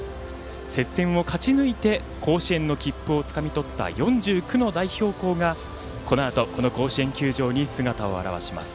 接戦を勝ち抜いて甲子園の切符をつかみ取った４９の代表校がこのあとこの甲子園球場に姿を現します。